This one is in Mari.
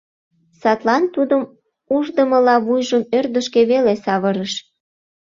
Садлан, тудым уждымыла, вуйжым ӧрдыжкӧ веле савырыш.